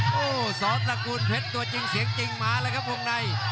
โอ้โหสอตระกูลเพชรตัวจริงเสียงจริงมาแล้วครับวงใน